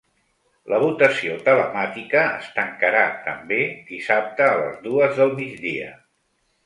La votació telemàtica es tancarà també dissabte a les dues del migdia.